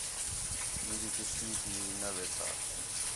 مینجی کشتی تی نے ویٹھا